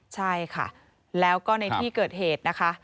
ใช่ค่ะแล้วก็ในที่เกิดเหตุนะคะ